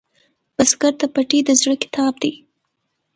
بزګر ته پټی د زړۀ کتاب دی